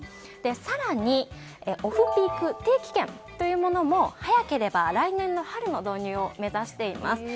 更に、オフピーク定期券も早ければ来年春の導入を目指しています。